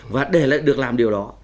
và để lại được làm điều đó